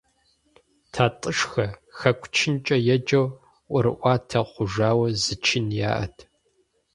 ТатӀышхэ «хэку чынкӏэ» еджэу, ӀуэрыӀуатэ хъужауэ зы чын яӀэт.